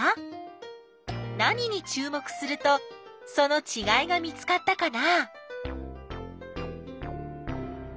何にちゅう目するとそのちがいが見つかったかな？